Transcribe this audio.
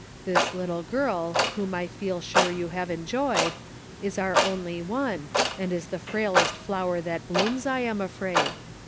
This little girl, whom I feel sure you have enjoyed, is our only one, and is the frailest flower that blooms, I am afraid.